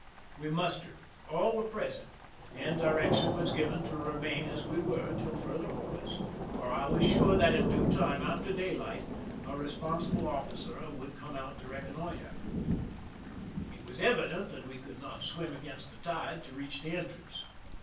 We mustered ; all were present, and direction was given to remain as we were tiU further orders, for I was sure that in due time after daylight a responsible officer would come out to reconnoitero It was evident that we could not swim against the tide to reach the entrance.